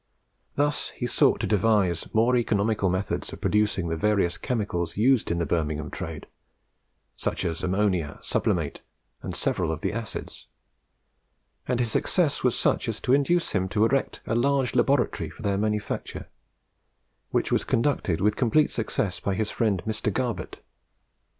Thus he sought to devise more economical methods of producing the various chemicals used in the Birmingham trade, such as ammonia, sublimate, and several of the acids; and his success was such as to induce him to erect a large laboratory for their manufacture, which was conducted with complete success by his friend Mr. Garbett.